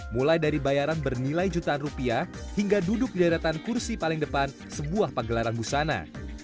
mulai dari bayaran bernilai jutaan rupiah hingga duduk di daratan kursi paling depan sebuah pagelaran busana